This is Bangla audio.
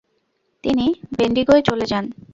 তিনি বেন্ডিগোয় চলে যান।